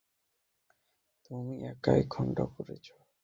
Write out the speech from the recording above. তুমি একাই খুনটা করেছ।